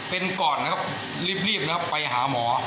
เป็นก่อนนะครับรีบนะครับไปหาหมอ